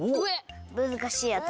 むずかしいやつ。